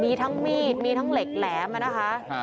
มีทั้งมีดมีทั้งเหล็กแหลมนะคะ